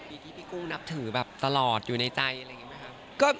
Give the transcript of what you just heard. มีที่พี่กุ้งนับถือตลอดอยู่ในใจไหมครับ